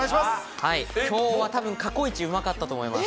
今日は多分、過去イチうまかったと思います。